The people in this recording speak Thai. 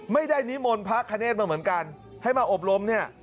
นิมนต์พระคเนธมาเหมือนกันให้มาอบรมเนี่ย